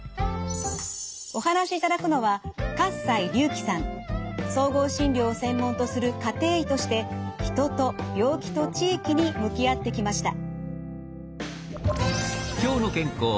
お話しいただくのは総合診療を専門とする家庭医として人と病気と地域に向き合ってきました。